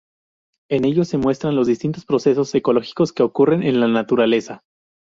En ellos se muestran los distintos procesos ecológicos que ocurren en la naturaleza.